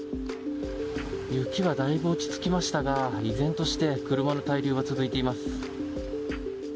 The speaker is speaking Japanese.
雪がだいぶ落ち着きましたが依然として車の滞留は続いています。